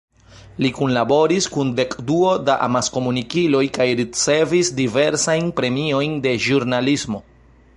Li kunlaboris kun dekduo da amaskomunikiloj kaj ricevis diversajn premiojn de ĵurnalismo.